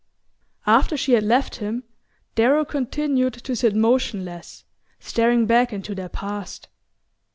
After she had left him, Darrow continued to sit motionless, staring back into their past.